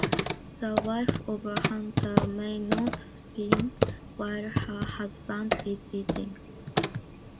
The wife of a hunter may not spin while her husband is eating.